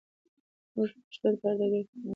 موږ پښتو ته په هر ډګر کې خدمت کوو.